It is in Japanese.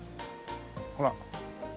ほら。